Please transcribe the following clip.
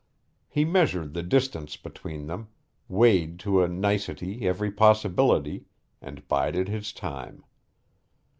He measured the distance between them, weighed to a nicety every possibility, and bided his time.